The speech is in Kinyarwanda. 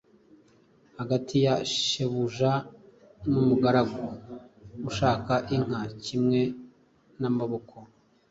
hagati ya shebuja n'umugaragu ushaka inka kimwe n'amaboko